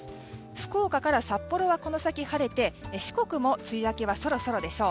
福岡から札幌はこの先晴れて四国も梅雨明けはそろそろでしょう。